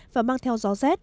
và mang theo gió rét